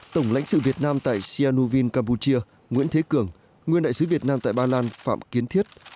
đại sứ việt nam tại sianovin campuchia nguyễn thế cường nguyên đại sứ việt nam tại ba lan phạm kiến thiết